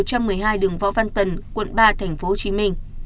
số một trăm một mươi một trăm một mươi hai đường võ văn tần quận ba tp hcm